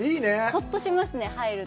ホッとしますね、入ると。